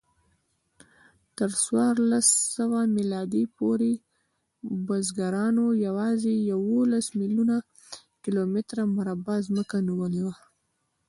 تر څوارلسسوه میلادي پورې بزګرانو یواځې یوولس میلیونه کیلومتره مربع ځمکه نیولې وه.